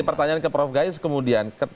pertanyaan ke prof gayus kemudian